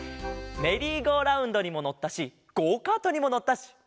メリーゴーラウンドにものったしゴーカートにものったし。